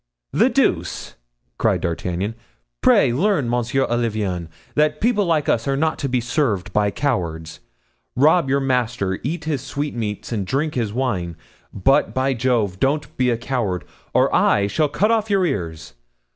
"The deuce!" cried D'Artagnan. "Pray learn, Monsieur Olivain, that people like us are not to be served by cowards. Rob your master, eat his sweetmeats, and drink his wine; but, by Jove! don't be a coward, or I shall cut off your ears.